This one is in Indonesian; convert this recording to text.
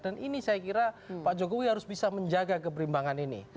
dan ini saya kira pak jokowi harus bisa menjaga keberimbangan ini